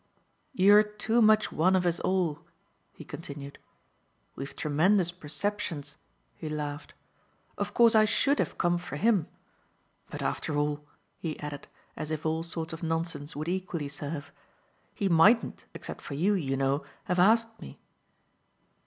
"You're too much one of us all," he continued. "We've tremendous perceptions," he laughed. "Of course I SHOULD have come for him. But after all," he added, as if all sorts of nonsense would equally serve, "he mightn't, except for you, you know, have asked me."